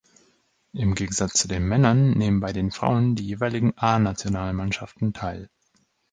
Im Gegensatz zu den Männern nehmen bei den Frauen die jeweiligen A-Nationalmannschaften teil.